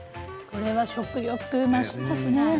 これは食欲、増しますね。